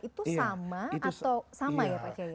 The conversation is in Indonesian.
itu sama atau